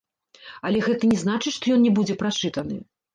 Але гэта не значыць, што ён не будзе прачытаны.